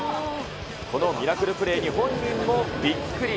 このミラクルプレーに本人もびっくり。